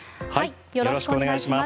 よろしくお願いします。